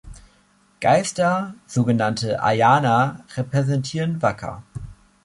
Geister, sogenannte "ayana", repräsentieren Waka.